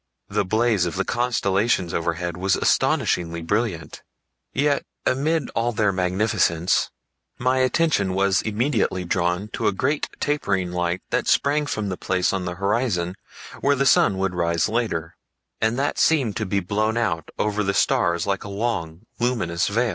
The blaze of the constellations overhead was astonishingly brilliant, yet amid all their magnificence my attention was immediately drawn to a great tapering light that sprang from the place on the horizon where the sun would rise later, and that seemed to be blown out over the stars like a long, luminous veil.